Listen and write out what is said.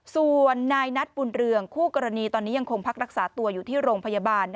ส่วนนายนัทบุญเรืองคู่กรณีตอนนี้ยังคงพักรักษาตัวอยู่ที่โรงพยาบาล